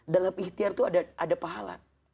dalam ikhtiar itu ada pahala